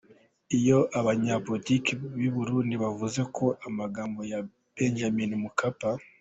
Ibyo abanyapolitiki b’i Burundi bavuze ku magambo ya Benjamin Mkapa.